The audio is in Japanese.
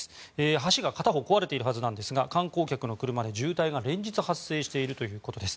橋が片方壊れているはずなんですが観光客の車で渋滞が連日発生しているということです。